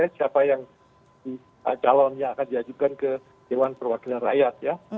siapa yang calon yang akan diajukan ke dewan perwakilan rakyat ya